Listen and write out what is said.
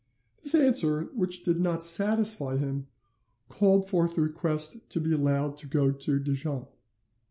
"'This answer, which did not satisfy him, called forth the request to be allowed to go to Dijon.